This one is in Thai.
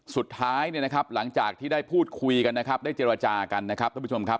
สุดท้ายเนี่ยนะครับหลังจากที่ได้พูดคุยกันนะครับได้เจรจากันนะครับท่านผู้ชมครับ